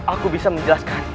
aku bisa menjelaskannya